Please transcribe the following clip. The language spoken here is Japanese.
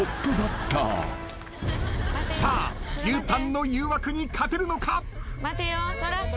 さあ牛タンの誘惑に勝てるのか？